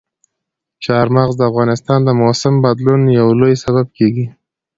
چار مغز د افغانستان د موسم د بدلون یو لوی سبب کېږي.